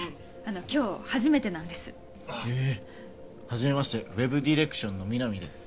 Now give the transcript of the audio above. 今日初めてなんですへえはじめましてＷＥＢディレクションの南です